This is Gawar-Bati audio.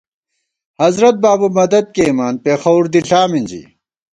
حضرت بابُو مدد کېئیمان، پېخَوُر دِݪا مِنزی